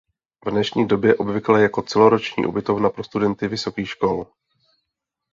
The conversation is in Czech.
V dnešní době obvykle jako celoroční ubytovna pro studenty vysokých škol.